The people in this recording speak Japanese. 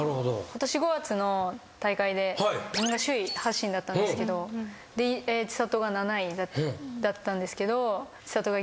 今年５月の大会で自分が首位発進だったんですけど千怜が７位だったんですけど。